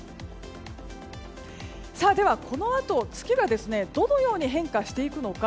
ではこのあと、月がどのように変化していくのか。